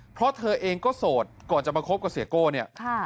เพราะเธอเองก็โสดก่อนจะมาคบกับเสียโก้เนี่ย